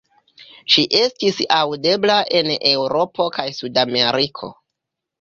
Ŝi estis aŭdebla en Eŭropo kaj Sud-Ameriko.